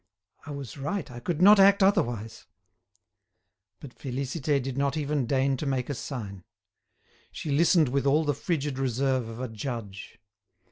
I was right, I could not act otherwise." But Félicité did not even deign to make a sign. She listened with all the frigid reserve of a judge.